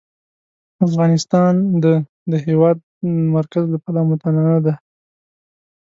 افغانستان د د هېواد مرکز له پلوه متنوع دی.